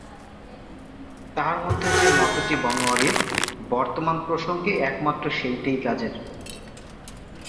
তাহার মধ্যে যে মতটি বনোয়ারির, বর্তমান প্রসঙ্গে একমাত্র সেইটেই কাজের।